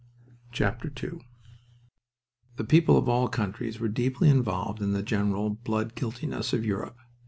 II The people of all countries were deeply involved in the general blood guiltiness of Europe.